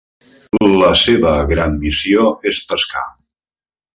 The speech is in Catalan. La seva gran missió és pescar.